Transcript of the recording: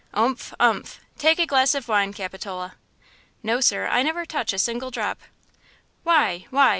"Umph! umph! Take a glass of wine, Capitola." "No, sir; I never touch a single drop." "Why? Why?